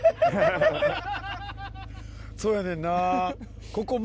そうやねんな。